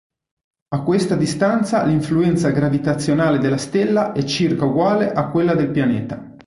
A questa distanza l'influenza gravitazionale della stella è circa uguale a quella del pianeta.